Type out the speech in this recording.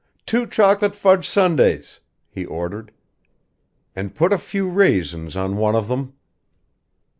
"Two chocolate fudge sundaes," he ordered; "and put a few raisins on one of them."